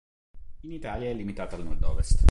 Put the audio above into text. In Italia è limitata al nordovest.